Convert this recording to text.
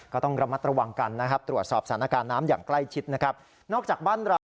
ก็ต้องระมัดระวังกันนะครับตรวจสอบสถานการณ์น้ำอย่างใกล้ชิดนะครับนอกจากบ้านเรา